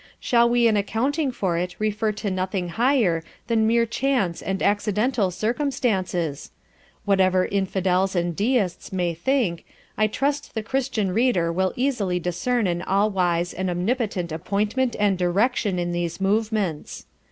Shall we in accounting for it refer to nothing higher than mere Chance and accidental Circumstances? Whatever Infidels and Deists may think; I trust the Christian Reader will easily discern an All wise and Omnipotent Appointment and Direction in these Movements.